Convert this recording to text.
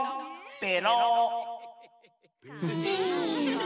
ペロ！